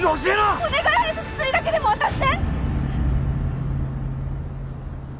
お願い早く薬だけでも渡して！